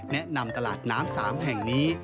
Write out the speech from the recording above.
แนะนำตลาดน้ำ๓แห่งนี้